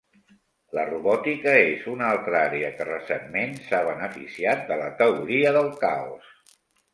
La robòtica és una altra àrea que recentment s'ha beneficiat de la teoria del caos.